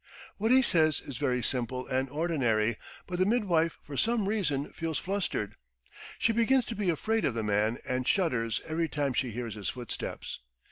What he says is very simple and ordinary, but the midwife for some reason feels flustered. She begins to be afraid of the man and shudders every time she hears his footsteps.